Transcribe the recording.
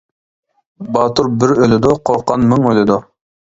-باتۇر بىر ئۆلىدۇ، قورققان مىڭ ئۆلىدۇ.